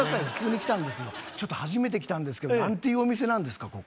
普通に来たんですよちょっと初めて来たんですけどなんていうお店なんですか